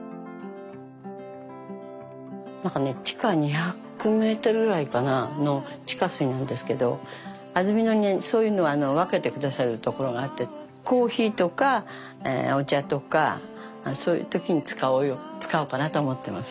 地下２００メートルぐらいの地下水なんですけど安曇野にそういうのを分けて下さるところがあってコーヒーとかお茶とかそういう時に使おうかなと思ってます。